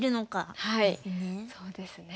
そうですね。